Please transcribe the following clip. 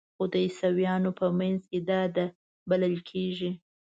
خو د عیسویانو په منځ کې دا د بلل کیږي.